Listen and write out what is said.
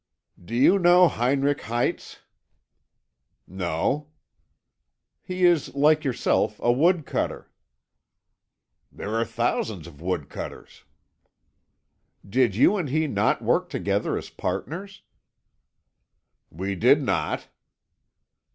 "Do you know Heinrich Heitz?" "No." "He is, like yourself, a woodcutter." "There are thousands of woodcutters." "Did you and he not work together as partners?" "We did not."